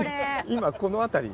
今この辺り。